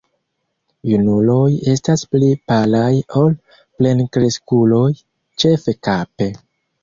Junuloj estas pli palaj ol plenkreskuloj, ĉefe kape.